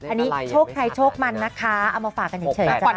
อันนี้โชคใครโชคมันนะคะเอามาฝากกันเฉย